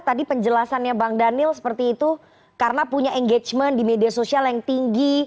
tadi penjelasannya bang daniel seperti itu karena punya engagement di media sosial yang tinggi